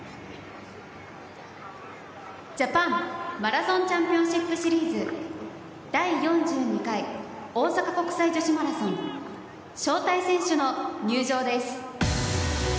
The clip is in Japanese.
ジャパンマラソンチャンピオンシップシリーズ第４２回大阪国際女子マラソン招待選手の入場です。